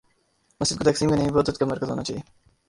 مسجد کو تقسیم کا نہیں، وحدت کا مرکز ہو نا چاہیے۔